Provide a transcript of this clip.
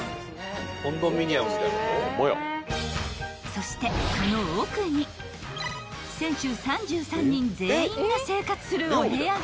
［そしてその奥に選手３３人全員が生活するお部屋が］